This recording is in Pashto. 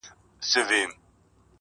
دغه د کرکي او نفرت کليمه~